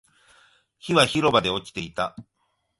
火は広場で起きていた